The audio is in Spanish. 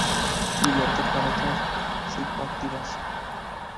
Biblioteca Letras Psicoactivas.